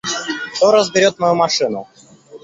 Кто разберёт мою машину?